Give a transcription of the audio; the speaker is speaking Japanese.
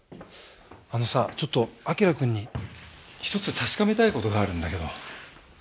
あのさちょっと輝くんに１つ確かめたい事があるんだけど。